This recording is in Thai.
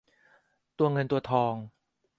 ตัวเงินตัวทอง